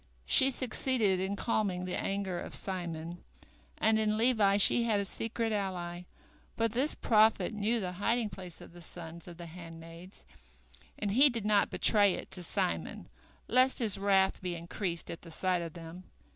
She succeeded in calming the anger of Simon, and in Levi she had a secret ally, for this prophet knew the hiding place of the sons of the handmaids, and he did not betray it to Simon, lest his wrath be increased at the sight of them.